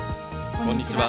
こんにちは。